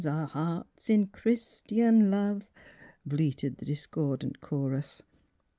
Our hear rts in Chri istian love! " bleated the discordant chorus.